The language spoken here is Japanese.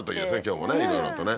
今日もねいろいろとね